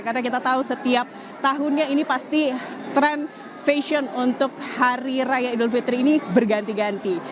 karena kita tahu setiap tahunnya ini pasti tren fashion untuk hari raya idul fitri ini berganti ganti